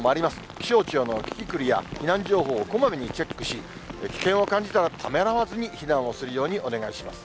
気象庁のキキクルや、避難情報をこまめにチェックし、危険を感じたらためらわずに避難をするようにお願いします。